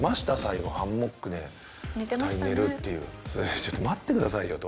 ちょっと待ってくださいよと。